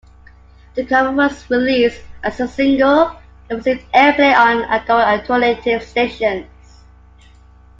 The cover was released as a single and received airplay on adult alternative stations.